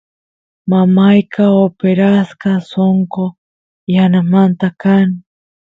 mamayqa operasqa sonqo yanamanta kan